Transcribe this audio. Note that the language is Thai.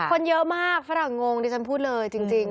คนเยอะมากฝรั่งงงดิฉันพูดเลยจริง